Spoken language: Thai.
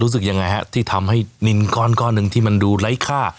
รู้สึกยังไงฮะที่ทำให้นินก้อนหนึ่งที่มันดูไร้ค่า